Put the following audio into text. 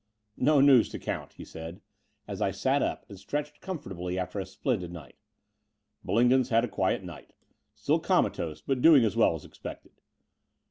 "No news to count," he said, as I sat up and stretched comfortably after a splendid night. Bullingdon's had a quiet night — still comatose, but doing as well as expected.